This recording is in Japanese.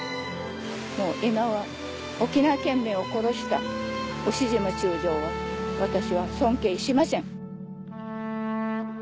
今は沖縄県民を殺した牛島中将は私は尊敬しません！